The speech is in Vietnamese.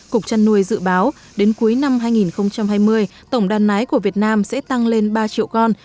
cục trăn nuôi dự báo đến cuối năm hai nghìn hai mươi tổng đàn nái của việt nam sẽ tăng lên ba triệu con